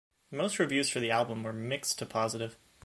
Most reviews for the album were mixed to positive.